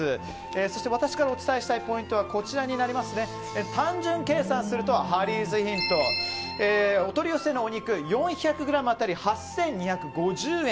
そして私からお伝えしたいポイントは単純計算するとお取り寄せのお肉は４００ｇ当たり８２５０円。